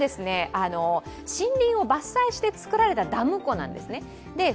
森林を伐採して造られたダム湖なんですね。